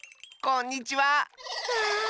こんにちは！